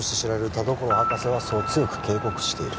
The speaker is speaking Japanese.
「田所博士はそう強く警告している」